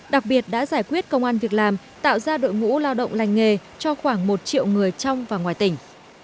đặc biệt đã giải quyết công an việc làm tạo ra đội ngũ lao động lành nghề cho khoảng một triệu người trong và ngoài tỉnh